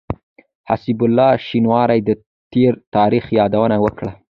حسيب الله شينواري د تېر تاريخ يادونه وکړه.